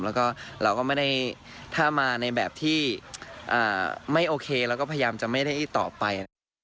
แล้วก็เราก็ไม่ได้ถ้ามาในแบบที่ไม่โอเคแล้วก็พยายามจะไม่ได้ตอบไป